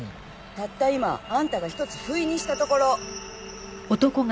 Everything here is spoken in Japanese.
たった今あんたが１つふいにしたところ！